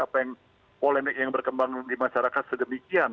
apa yang polemik yang berkembang di masyarakat sedemikian